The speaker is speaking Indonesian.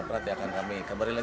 pas pulang ke sekolah